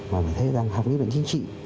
mà phải thấy rằng học lý luận chính trị